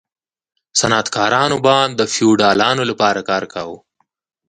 صنعتکارانو به د فیوډالانو لپاره کار کاوه.